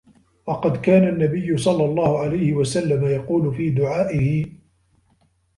وَقَدْ كَانَ النَّبِيُّ صَلَّى اللَّهُ عَلَيْهِ وَسَلَّمَ يَقُولُ فِي دُعَائِهِ